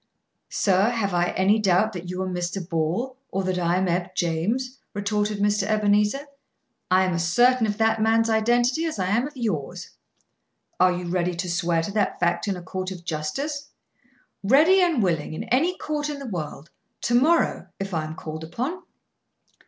"Sir, have I any doubt that you are Mr. Ball, or that I am Eb. James?" retorted Mr. Ebenezer. "I am as certain of that man's identity as I am of yours." "Are you ready to swear to that fact in a court of justice?" "Ready and willing, in any court in the world. To morrow, if I am called upon."